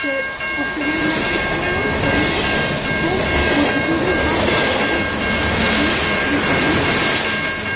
Posteriormente fueron seguidos por multitudes bajo amenazas de linchamiento.